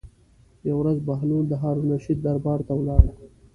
یوه ورځ بهلول د هارون الرشید دربار ته ولاړ.